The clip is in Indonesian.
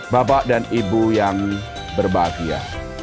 bapak dan ibu yang berbahagia